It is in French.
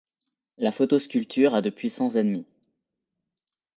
La photosculpture a de puissants ennemis.